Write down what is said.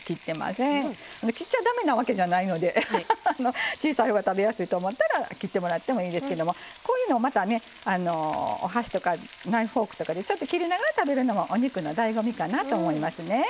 切っちゃだめなわけじゃないので小さいほうが食べやすいと思ったら切ってもらってもいいですけどもこういうのをまたねお箸とかナイフ・フォークとかでちょっと切りながら食べるのもお肉のだいご味かなと思いますね。